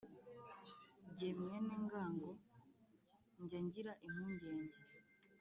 jye mwenengango njya ngira impungenge